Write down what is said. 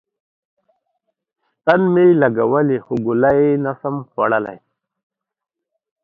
ستن می لګولی خو ګولی نسم خوړلای